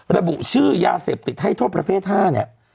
ระบุชื่อยาเสพติดให้โทษประเภท๕เนี่ย